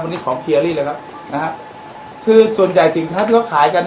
วันนี้ของเลยนะครับนะฮะคือส่วนใหญ่สินค้าที่เขาขายกัน